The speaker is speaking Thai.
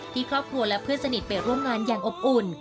ที่ครอบครัวและเพื่อนสนิทไปร่วมงานอย่างอบอุ่น